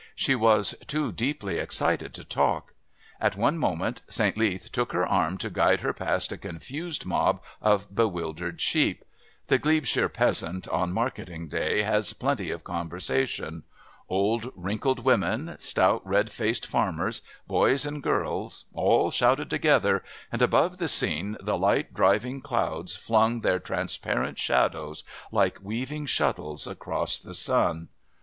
She was too deeply excited to talk. At one moment St. Leath took her arm to guide her past a confused mob of bewildered sheep. The Glebeshire peasant on marketing day has plenty of conversation. Old wrinkled women, stout red faced farmers, boys and girls all shouted together, and above the scene the light driving clouds flung their transparent shadows, like weaving shuttles across the sun.